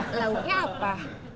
lah launya apa